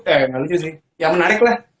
eh gak lucu sih yang menarik lah